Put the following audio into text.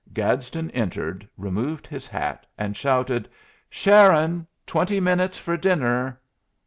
Gadsden entered, removed his hat, and shouted: "Sharon. Twenty minutes for dinner."